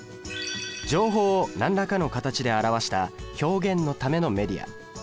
情報を何らかの形で表した「表現のためのメディア」。